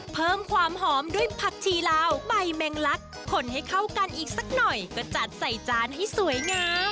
เพิ่มความหอมด้วยผักชีลาวใบแมงลักขนให้เข้ากันอีกสักหน่อยก็จัดใส่จานให้สวยงาม